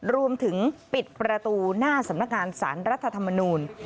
รวมถึงปิดประตูหน้าสำนักงานสารรัฐธรรมนูล